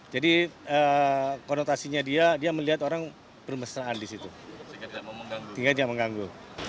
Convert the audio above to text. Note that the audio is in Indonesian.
jadi konotasinya dia melihat orang bermesraan di situ